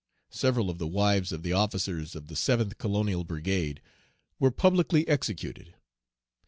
Several of the wives of the officers of the seventh colonial brigade were publicly executed.